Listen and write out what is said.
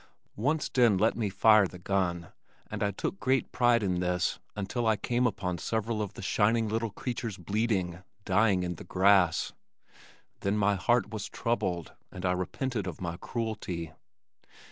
Once Den let me fire the gun, and I took great pride in this until I came upon several of the shining little creatures bleeding, dying in the grass. Then my heart was troubled and I repented of my cruelty.